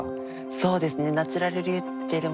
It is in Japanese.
そうですね